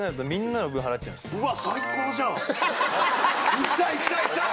行きたい行きたい行きたい！